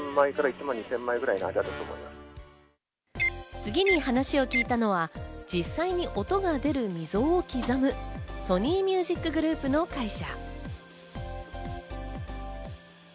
次に話を聞いたのは、実際に音が出る溝を刻む、ソニーミュージックグループの会社。